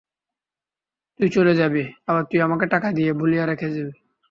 তুই চলে যাবি, আর তুই আমাকে টাকা দিয়ে ভুলিয়ে রেখে যাবি?